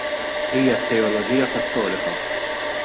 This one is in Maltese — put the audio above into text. Hija t-teoloġija Kattolika.